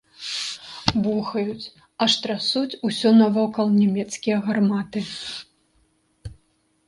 Бухаюць, аж трасуць усё навокал нямецкія гарматы.